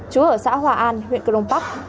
chú ở xã hòa an huyện cơ đông bắc